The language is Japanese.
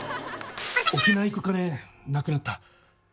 沖縄行く金なくなった。